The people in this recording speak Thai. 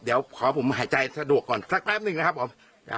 เดี๋ยวขอผมหายใจสะดวกก่อนสักแป๊บหนึ่งนะครับผม